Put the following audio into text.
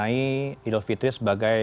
menyebutkan idul fitri sebagai